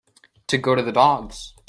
To go to the dogs